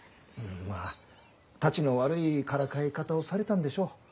まあたちの悪いからかい方をされたんでしょう。